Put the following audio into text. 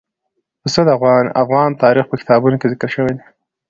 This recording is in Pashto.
پسه د افغان تاریخ په کتابونو کې ذکر شوي دي.